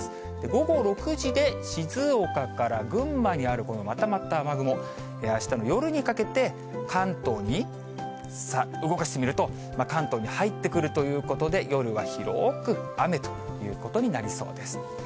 午後６時で静岡から群馬にあるこのまとまった雨雲、あしたの夜にかけて、関東に、動かしてみると、関東に入ってくるということで、夜は広く雨ということになりそうです。